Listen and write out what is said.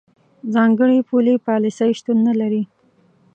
ځانګړې پولي پالیسۍ شتون نه لري.